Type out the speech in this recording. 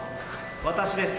私です。